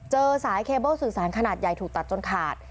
เจอสายเคเบิ้ลสื่อสารขนาดใหญ่ถูกตัดจนขาด